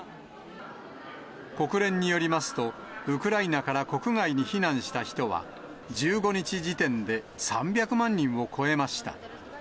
国連によりますと、ウクライナから国外に避難した人は、１５日時点で３００万人を超えました。